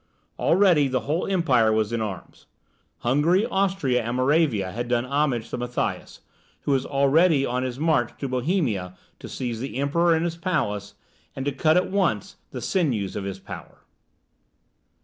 Already the whole empire was in arms; Hungary, Austria, and Moravia had done homage to Matthias, who was already on his march to Bohemia to seize the Emperor in his palace, and to cut at once the sinews of his power.